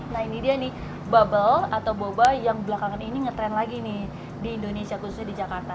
nah ini dia nih bubble atau boba yang belakangan ini ngetrend lagi nih di indonesia khususnya di jakarta